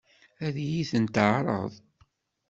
Ad iyi-ten-teɛṛeḍ?